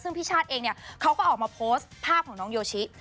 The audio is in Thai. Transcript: ซึ่งพี่ชาติเองเนี่ยเขาก็ออกมาโพสต์ภาพของน้องโยชิ